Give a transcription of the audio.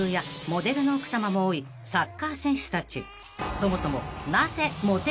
［そもそも］